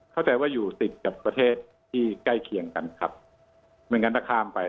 เข้าใจว่าอยู่ติดกับประเทศที่ใกล้เคียงกันครับไม่งั้นถ้าข้ามไป